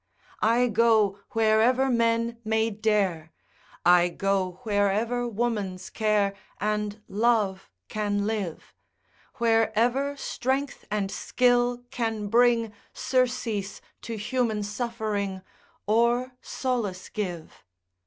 I go wherever men may dare, I go wherever woman's care And love can live, Wherever strength and skill can bring Surcease to human suffering, Or solace give.